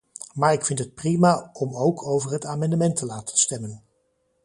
Maar ik vind het prima om ook over het amendement te laten stemmen.